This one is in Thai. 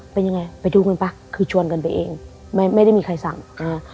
เป็นยังไงไปดูกันป่ะคือชวนกันไปเองไม่ไม่ได้มีใครสั่งอ่า